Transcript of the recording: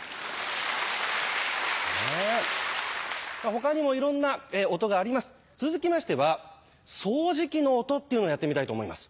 他にもいろんな音があります続きましては掃除機の音っていうのをやってみたいと思います。